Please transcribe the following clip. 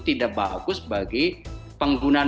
tidak bagus bagi penggunaan